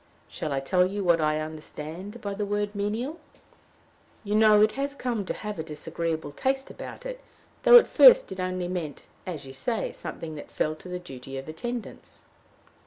Shall I tell you what I understand by the word menial? You know it has come to have a disagreeable taste about it, though at first it only meant, as you say, something that fell to the duty of attendants."